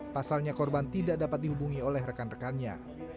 pasalnya korban tidak dapat dihubungi oleh rekan rekannya